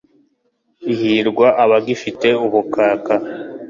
ihirwa abagifite ubukaka